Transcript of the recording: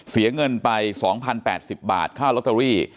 เสียเงินไป๒๐๘๐บาทค่าลอตเตอรี่